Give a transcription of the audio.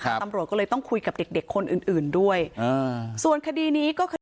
ตำรวจก็เลยต้องคุยกับเด็กเด็กคนอื่นอื่นด้วยอ่าส่วนคดีนี้ก็คือ